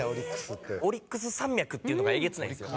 オリックス山脈っていうのがえげつないんですよ。